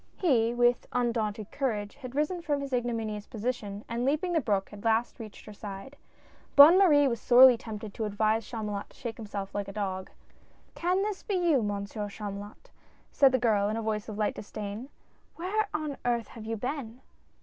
He, with undaunted courage, had risen from his igno minious position, and leaping the brook, at last reached her side. Bonne Marie was sorely tempted to advise Chamulot to shake himself like a dog. "Can this be you. Monsieur Chamulot?" said the girl in a voice of light disdain. " Where on earth have you been